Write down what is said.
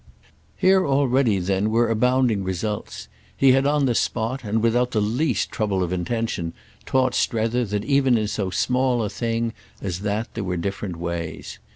Here already then were abounding results; he had on the spot and without the least trouble of intention taught Strether that even in so small a thing as that there were different ways.